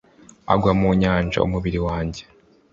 agwa mu nyanja umubiri wanjye